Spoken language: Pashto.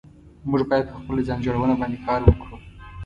موږ بايد پر خپل ځان جوړونه باندي کار وکړو